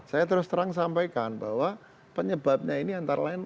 saya terus terang sampaikan bahwa penyebabnya ini antara lain